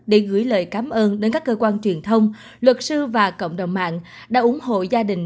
để gửi lời cảm ơn đến các cơ quan truyền thông luật sư và cộng đồng mạng đã ủng hộ gia đình